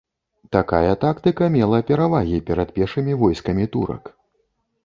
Такая тактыка мела перавагі перад пешымі войскамі турак.